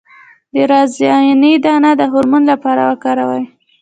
د رازیانې دانه د هورمون لپاره وکاروئ